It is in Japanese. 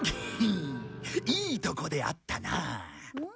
いいとこで会ったな。